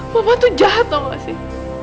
mama tuh jahat tahu nggak sih